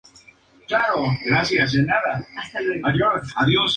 Numerosas compañías de la alta tecnología están situadas en Redmond.